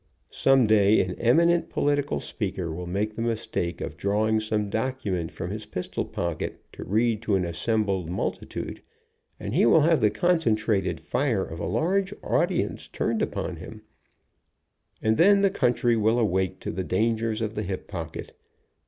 Some day an eminent political speaker will make the mistake of drawing some document from his pistol pocket, to read to an assembled multi tude, and he will have the concentrated fire of a large audience turned upon him, and then the country will awake to the dangers of the hip pocket.